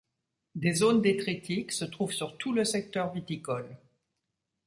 Des zones détritiques se trouvent sur tout le secteur viticole.